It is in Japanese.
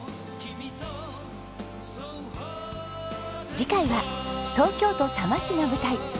次回は東京都多摩市が舞台。